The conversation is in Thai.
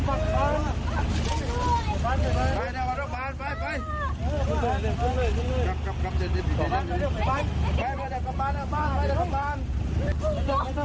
เดี๋ยวป่ายมนต์นี่